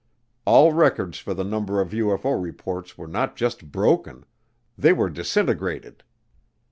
All records for the number of UFO reports were not just broken, they were disintegrated.